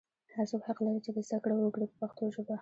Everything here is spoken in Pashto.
هر څوک حق لري چې زده کړه وکړي په پښتو ژبه.